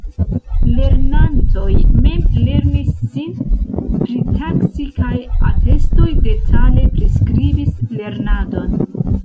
Lernantoj mem lernis sin pritaksi kaj atestoj detale priskribis lernadon.